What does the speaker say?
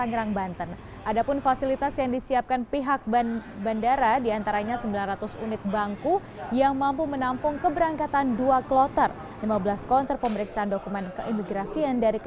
jalan keberangkatan calon haji